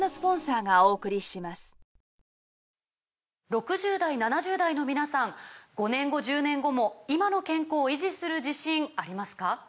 ６０代７０代の皆さん５年後１０年後も今の健康維持する自信ありますか？